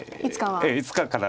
いつかは。